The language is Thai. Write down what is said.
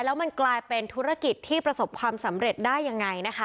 แล้วมันกลายเป็นธุรกิจที่ประสบความสำเร็จได้ยังไงนะคะ